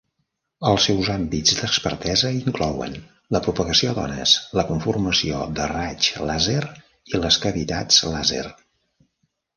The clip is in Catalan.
Els seus àmbits d'expertesa inclouen la propagació d'ones, la conformació de raigs làser i les cavitats làser.